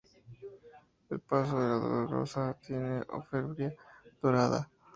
El paso de la dolorosa tiene orfebrería dorada.